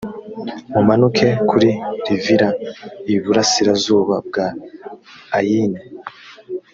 mumanuke kuri rivila iburasirazuba bwa ayini